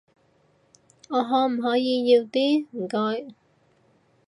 我可唔可以要啲，唔該？